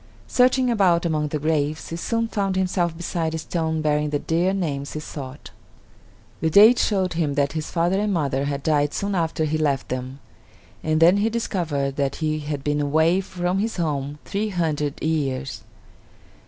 Searching about among the graves, he soon found himself beside a stone bearing the dear names he sought. The date showed him that his father and mother had died soon after he left them; and then he discovered that he had been away from his home three hundred years.